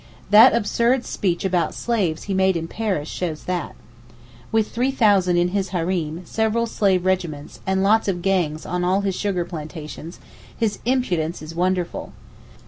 That absurd speech about slaves he made in Paris shows that. With 3,000 in his hareem, several slave regiments, and lots of gangs on all his sugar plantations, his impudence is wonderful.